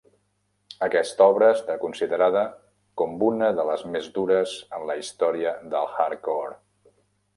Aquesta obra està considerada com una de les més dures en la història del "hardcore".